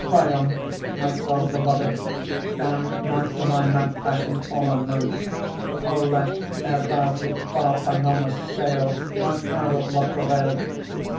Phaon, my sole beloved, Stand not to my mad passion all unmoved; O let, ere thou to far Panormus sail, One hour of love prevail.